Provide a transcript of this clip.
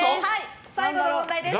最後の問題です。